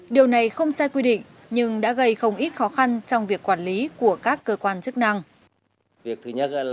điều này không sai quy định nhưng đã gây không ít khó khăn trong việc quản lý của các cơ quan chức năng